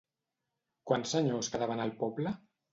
Quants senyors quedaven al poble?